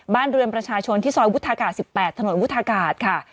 บ้านเรือนประชาชนที่ซอยวุฒากาศ๑๘ถนนวุฒากาศค่ะ